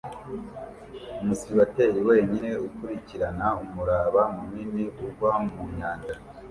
umuseribateri wenyine ukurikirana umuraba munini ugwa mu nyanja